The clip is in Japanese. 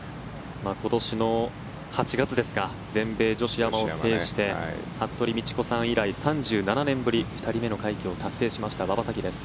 今年の８月ですか全米女子アマを制して服部道子さん以来３７年ぶり２人目の快挙を達成しました馬場咲希です。